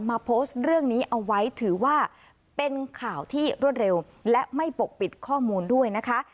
โพสต์เรื่องนี้เอาไว้ถือว่าเป็นข่าวที่รวดเร็วและไม่ปกปิดข้อมูลด้วยนะคะ